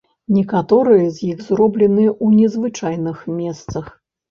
Некаторыя з іх зроблены ў незвычайных месцах.